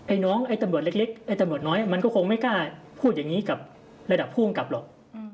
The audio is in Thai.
น้องไอ้ตำรวจเล็กไอ้ตำรวจน้อยมันก็คงไม่กล้าพูดอย่างนี้กับระดับผู้กำกับหรอก